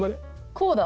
こうだ。